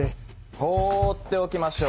放っておきましょう。